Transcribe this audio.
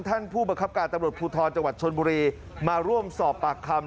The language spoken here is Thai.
ท่านผู้บังคับการตำรวจภูทรจังหวัดชนบุรีมาร่วมสอบปากคำ